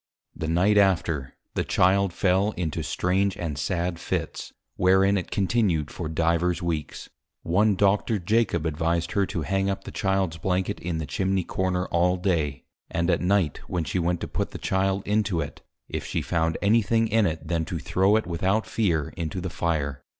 The Night after, the Child fell into strange and sad Fits, wherein it continued for Divers Weeks. One Doctor Jacob advised her to hang up the Childs Blanket, in the Chimney Corner all Day, and at Night, when she went to put the Child into it, if she found any Thing in it then to throw it without fear into the Fire.